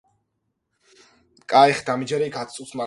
მდებარეობს მდინარე ცხენისწყლის მარჯვენა ნაპირას.